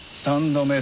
３度目？